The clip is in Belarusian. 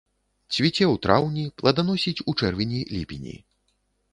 Цвіце ў траўні, пладаносіць у чэрвені-ліпені.